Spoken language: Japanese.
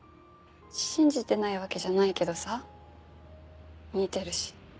信じてないわけじゃないけどさ似てるし。